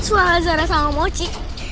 itu kan suara sarah sama mochi